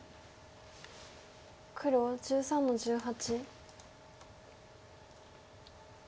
黒１３の十八。